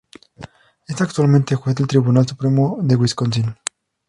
Es actualmente juez del Tribunal Supremo de Wisconsin.